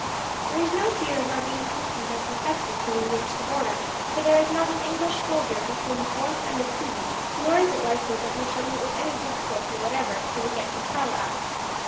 There is no fear of our being questioned or suspected till we reach the border, for there is not an English soldier between the Forth and the Tweed; nor is it likely that we shall meet with any difficulty whatever till we get to Carlisle.